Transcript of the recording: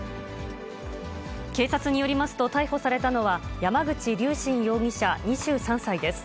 警察によりますと、逮捕されたのは、山口龍真容疑者２３歳です。